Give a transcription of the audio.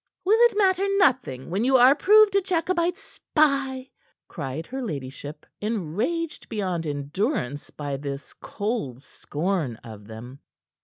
"Will it matter nothing when you are proved a Jacobite spy?" cried her ladyship, enraged beyond endurance by this calm scorn of them.